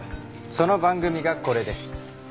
その番組がこれです。